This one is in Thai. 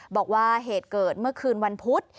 บอกว่าเหตุเกิดเมื่อคืนวันพุธ